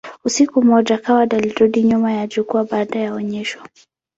Usiku mmoja, Coward alirudi nyuma ya jukwaa baada ya onyesho.